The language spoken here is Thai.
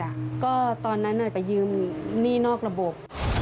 ก็ตอนนั้นไปยืมหนี้นอกระบบ